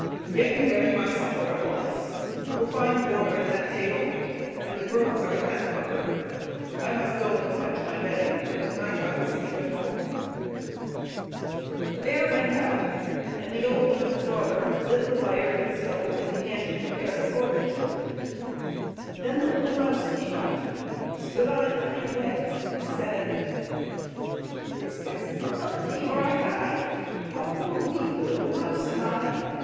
"Get me ready my supper at once. You will find water in that pail, and the groats in that cupboard. I must go and fetch my bedding, for to night I will sleep at home." The bear went out, and the old woman's daughter lit the fire in the stove, and began to prepare the porridge. Then the little mouse came out, stood on its hind legs, and said: "Mistress! help me, or I die! A poor, weak little mouse am I!